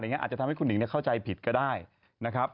อาจจะทำให้คุณหิงเข้าใจผิดก็ได้นะครับ